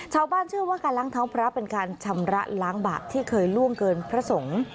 ชาวบ้านเชื่อว่าการล้างเท้าพระเป็นการชำระล้างบาปที่เคยล่วงเกินพระสงฆ์